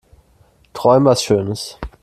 Träum was schönes.